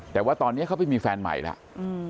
แต่ว่าตอนนี้เขาไปมีแฟนใหม่แล้ว